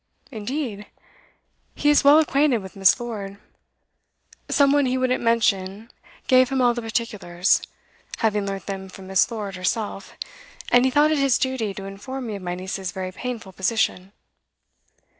'Indeed? He is well acquainted with Miss. Lord. Some one he wouldn't mention gave him all the particulars, having learnt them from Miss Lord herself, and he thought it his duty to inform me of my niece's very painful position.